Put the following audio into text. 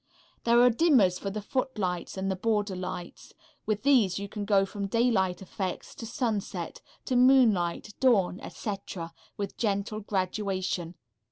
There are dimmers for the footlights and the border lights. With these you can go from daylight effects to sunset, to moonlight, dawn, etc., with gentle gradation.